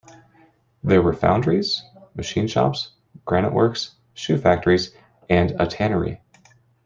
There were foundries, machine shops, granite works, shoe factories and a tannery.